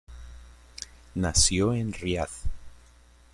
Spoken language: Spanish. Nació en Riad.